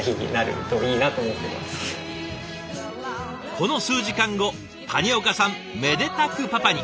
この数時間後谷岡さんめでたくパパに。